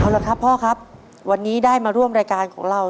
เอาละครับพ่อครับวันนี้ได้มาร่วมรายการของเรา